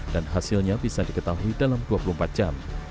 dan hasilnya bisa diketahui dalam dua puluh empat jam